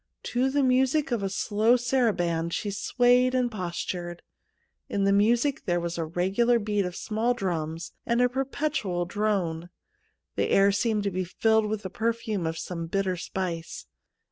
To the music of a slow saraband she swayed and postured. In the music there was the regular beat of small drums and a perpetual 49 D THE MOON SLAVE drone. The air seemed to be filled with the perfume of some bitter spice.